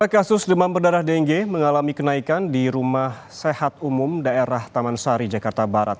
kasus demam berdarah dengue mengalami kenaikan di rumah sehat umum daerah taman sari jakarta barat